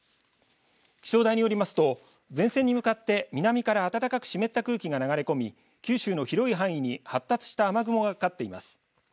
気象台によりますと前線に向かって南から暖かく湿った空気が流れ込み九州の広い範囲に発達した雨雲がかかっています。